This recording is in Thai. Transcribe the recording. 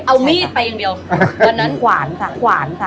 เอามีดไปอย่างเดียววันนั้นขวานค่ะขวานค่ะ